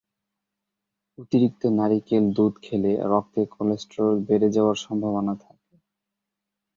অতিরিক্ত নারিকেল দুধ খেলে রক্তে কোলেস্টেরল বেড়ে যাওয়ার সম্ভাবনা থাকে।